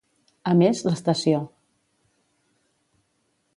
A més, l'estació.